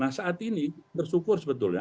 nah saat ini bersyukur sebetulnya